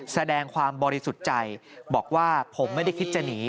แสดงความบริสุทธิ์ใจบอกว่าผมไม่ได้คิดจะหนี